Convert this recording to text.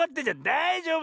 だいじょうぶよ。